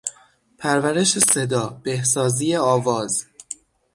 پرورش صدا، بهسازی آواز